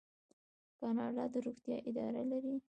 کاناډا د روغتیا اداره لري.